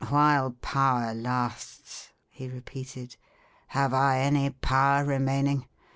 While power lasts!" he repeated. "Have I any power remaining?